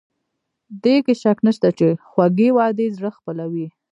دې کې شک نشته چې خوږې وعدې زړه خپلوي.